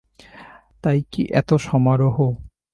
তাই কি এত সমারোহ?